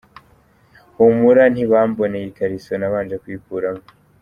Humura ntibamboneye ikariso nabanje kuyikuramo!